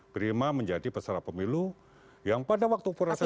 prima menjadi pesara pemilu yang pada waktu kurasa saya